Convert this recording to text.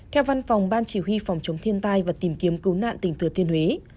theo văn phòng ban chỉ huy phòng chống thiên tai và tìm kiếm cứu nạn tỉnh thừa thiên huế